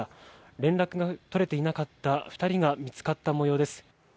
連絡が取れていなかった２人が見つかったもようです。